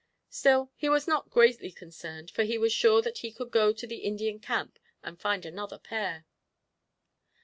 Still, he was not greatly concerned, for he was sure that he could go to the Indian camp and find another pair.